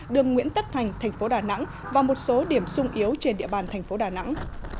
đường nguyễn tất thành thành phố đà nẵng và một số điểm sung yếu trên địa bàn thành phố đà nẵng